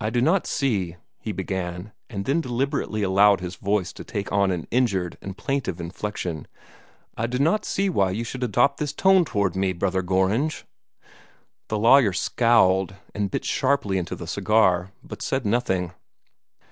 "I do not see," he began, and then deliberately allowed his voice to take on an injured and plaintive inflection "I do not see why you should adopt this tone toward me Brother Gorringe." The lawyer scowled, and bit sharply into the cigar, but said nothing.